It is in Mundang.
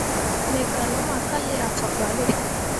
Me gah luma ka liah faɓalle.